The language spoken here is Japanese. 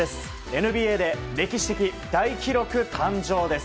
ＮＢＡで歴史的大記録誕生です。